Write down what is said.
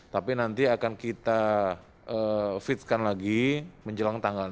tapi nanti akan kita fitkan lagi menjelang tanggal enam